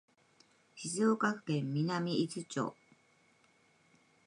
静岡県南伊豆町